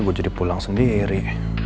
gue jadi pulang sendiri